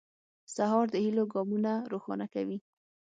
سهار د هيلو ګامونه روښانه کوي.